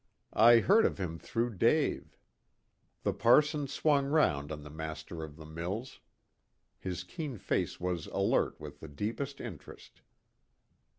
"I heard of him through Dave." The parson swung round on the master of the mills. His keen face was alert with the deepest interest.